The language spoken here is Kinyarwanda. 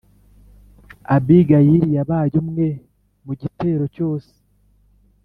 Abigayili yabaye umwe mu gitero cyose